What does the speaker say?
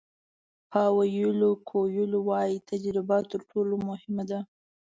پاویلو کویلو وایي تجربه تر ټولو مهمه ده.